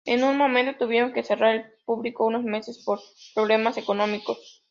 En un momento tuvieron que cerrar al público unos meses por problemas económicos.